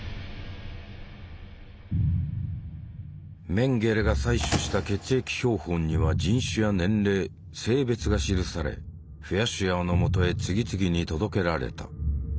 メンゲレが採取した血液標本には人種や年齢性別が記されフェアシュアーのもとへ次々に届けられた。